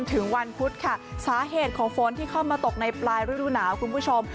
ถึงวันพุธค่ะสาเหตุของฝนที่เข้ามาตกในปลายฤดูหนาวคุณผู้ชม